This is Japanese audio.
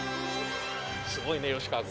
すごいね吉川君。